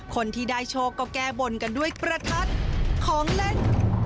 คนที่ได้โชคก็แก้บนกันด้วยประทัดของเล่น